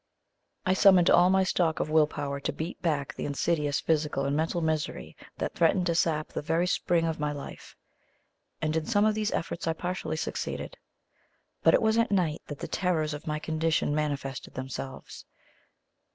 I summoned all my stock of will power to beat back the insidious physical and mental misery that threatened to sap the very spring of my life; and in some of these efforts I partially succeeded. But it was at night that the terrors of my condition manifested themselves.